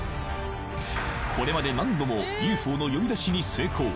これまで何度もＵＦＯの呼び出しに成功